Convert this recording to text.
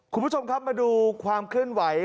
คุณผู้ชมครับมาดูความเคลื่อนไหว